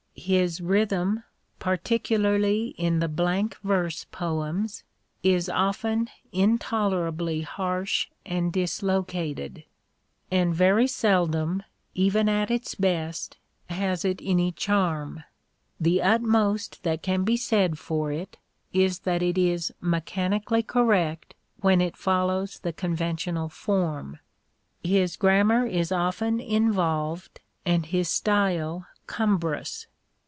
His rhythm, particularly in the blank verse poems, is often intolerably harsh and dislocated, and very seldom, even at its best, has it any charm : the utmost that can be said for it is that it is mechanically correct when it follows the conventional form. His grammar is often involved and his style cumbrous.